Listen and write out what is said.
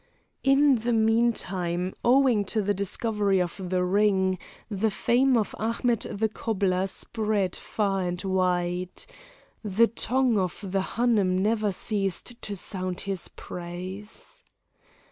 In the meantime, owing to the discovery of the ring, the fame of Ahmet the cobbler spread far and wide. The tongue of the Hanoum never ceased to sound his praise.